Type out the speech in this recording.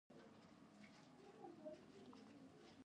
د فونوګراف رېکارډ دې راوړ؟ هو، په بسته کې دننه.